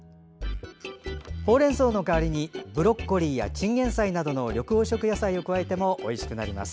ほうれんそうの代わりにブロッコリーやチンゲン菜などの緑黄色野菜を加えてもおいしくなります。